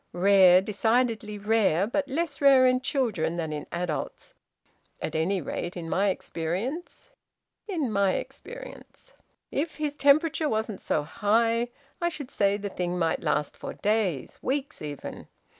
Rare, decidedly rare, but less rare in children than in adults at any rate in my experience in my experience. If his temperature wasn't so high, I should say the thing might last for days weeks even.